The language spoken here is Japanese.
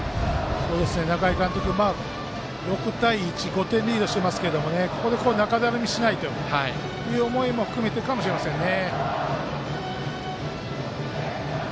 仲井監督、６対１５点リードしていますけれどもここで、中だるみにしないという思いも含めてかもしれませんね。